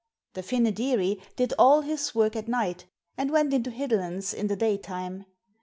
The Fynoderee did all his work at night and went into hidlans in the daytime.